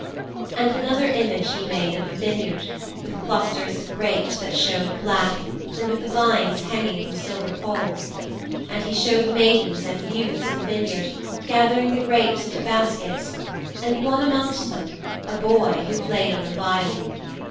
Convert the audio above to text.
'And another image he made of a vineyard, with clusters of grapes that showed black, and with the vines hanging from silver poles. And he showed maidens and youths in the vineyard, gathering the grapes into baskets, and one amongst them, a boy, who played on the viol.